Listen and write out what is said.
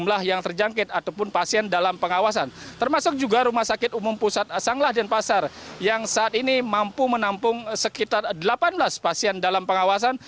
jumlah yang terjangkit ataupun pasien dalam pengawasan termasuk juga rumah sakit umum pusat sanglah dan pasar yang saat ini mampu menampung sekitar delapan belas pasien dalam pengawasan